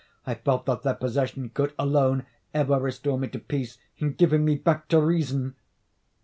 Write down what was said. I felt that their possession could alone ever restore me to peace, in giving me back to reason.